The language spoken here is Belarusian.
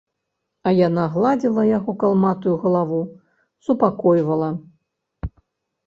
А яна гладзіла яго калматую галаву, супакойвала.